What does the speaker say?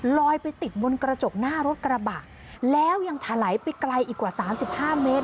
ลอยไปติดบนกระจกหน้ารถกระบะแล้วยังถลายไปไกลอีกกว่าสามสิบห้าเมตร